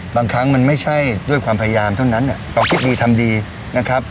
บางครั้งมันไม่ใช่ด้วยความพยายามเท่านั้นเราคิดดีทำดีนะครับ